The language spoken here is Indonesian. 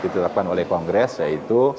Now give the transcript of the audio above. ditetapkan oleh kongres yaitu